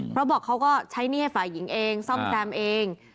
เพราะบอกเขาก็ใช้หนี้ให้ฝ่ายหญิงเองซ่อมแซมเอง